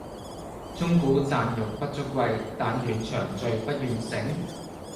鐘鼓饌玉不足貴，但愿長醉不愿醒！